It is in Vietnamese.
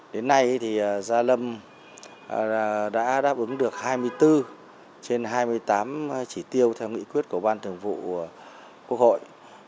đến nay thì gia lâm đã đáp ứng được hai mươi bốn trên hai mươi tám chỉ tiêu theo nghị quyết của ban thường vụ quốc hội